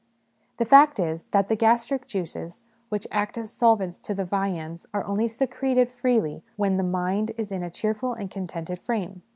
The fact is, that the gastric juices which act as solvents to the viands are only secreted freely when the mind is in a cheerful and contented frame.